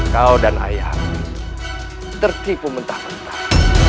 kau dan ayah tertipu mentah mentah